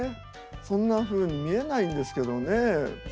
そんなふうに見えないんですけどね。